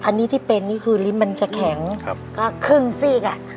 อันนี้ที่เป็นนี่คือลิ้นมันจะแข็งก็ครึ่งซีกอ่ะ